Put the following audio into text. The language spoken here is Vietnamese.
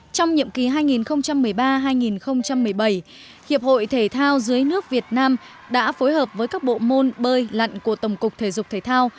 trong nhiệm kỳ hai nghìn một mươi ba hai nghìn một mươi bảy hiệp hội thể thao dưới nước việt nam đã phối hợp với các bộ môn bơi lặn của tổng cục thể dục thể thao